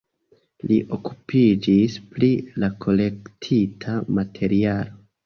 Li okupiĝis pri la kolektita materialo.